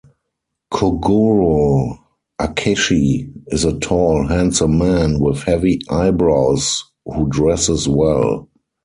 Kogoro Akechi is a tall, handsome man with heavy eyebrows who dresses well.